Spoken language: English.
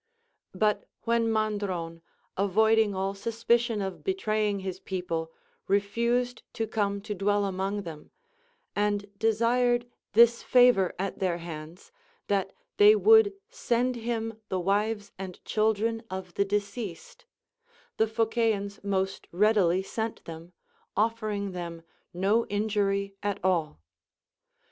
But when INIandron, avoiding all suspicion of betraying his people, refused to come to dwell among them, and desired this favor at their hands, that they would send him the wives and children of the deceased, the Phocaeans most readily sent them, offering them no injury at all.